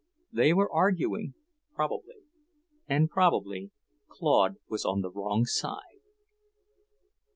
They were arguing, probably, and probably Claude was on the wrong side.